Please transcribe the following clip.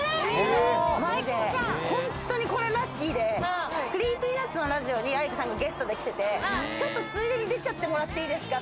ほんとにこれラッキーで、ＣｒｅｅｐｙＮｕｔｓのラジオにａｉｋｏさんがゲストで来てて、ちょっとついでに出ちゃってもらっていいですか？